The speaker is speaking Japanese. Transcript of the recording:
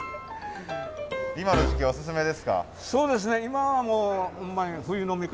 今の時期おススメですか？